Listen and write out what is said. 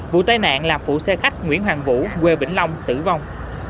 vụ tai nạn là phụ xe khách nguyễn hoàng vũ quê bỉnh long tử vong